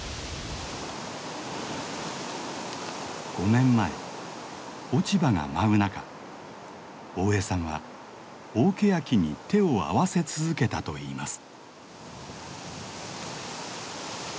５年前落ち葉が舞う中大江さんは大ケヤキに手を合わせ続けたといいます。